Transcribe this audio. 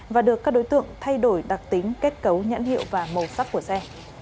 và được các đối tượng thay đổi đặc tính kết cấu nhãn hiệu và màu sắc của xe